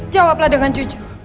jawablah dengan jujur